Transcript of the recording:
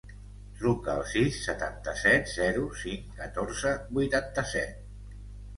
Truca al sis, setanta-set, zero, cinc, catorze, vuitanta-set.